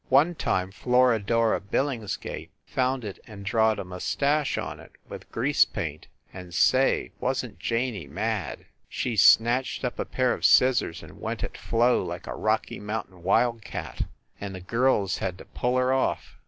One time Floradora Billings gate found it and drawed, a mustache on it with grease paint, and say, wasn t Janey mad? She snatched up a pair of scissors and went at Flo like a Rocky Mountain wildcat, and the girls had to pull her off.